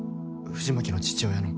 藤巻の父親の。